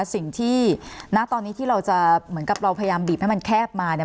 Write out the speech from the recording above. ณตอนนี้ที่เราจะเหมือนกับเราพยายามบีบให้มันแคบมาเนี่ย